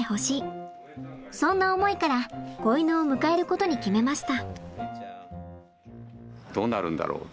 そんな思いから子犬を迎えることに決めました。